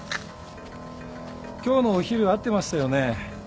今日のお昼会ってましたよね？